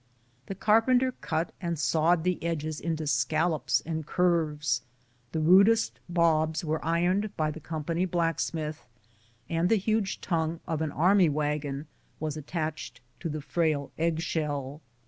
The carpenter cut and sawed the edges into scallops and curves ; the rudest bobs were ironed by the com pany blacksmith ; and the huge tongue of an army wag on was attached to the frail egg shell.